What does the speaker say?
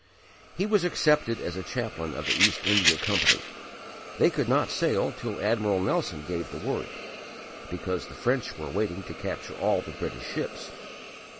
He was accepted as a chaplain of the East India Company. They could not sail till Admiral Nelson gave the word, because the French were waiting to capture all the British ships.